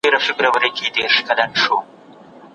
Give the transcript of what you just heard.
هغه پرون په کوه کي ولوېدی.